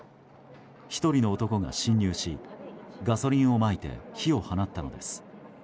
１人の男が侵入しガソリンをまいて火を放ったのです。